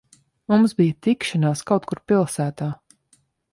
Mums bija tikšanās kaut kur pilsētā.